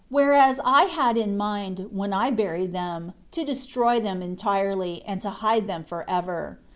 Whereas I had in mind, when I buried them, to destroy them entirely, and to hide them forever.